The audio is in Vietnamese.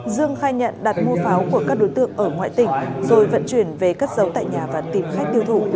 dương khai nhận đặt mua pháo của các đối tượng ở ngoại tỉnh rồi vận chuyển về cất giấu tại nhà và tìm khách tiêu thụ